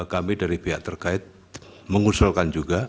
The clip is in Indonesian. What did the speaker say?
kami dari pihak terkait mengusulkan juga